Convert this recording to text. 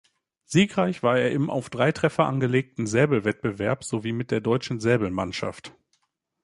Siegreich war er im auf drei Treffer angelegten Säbel-Wettbewerb sowie mit der deutschen Säbel-Mannschaft.